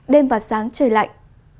đêm vào sáng trời lạnh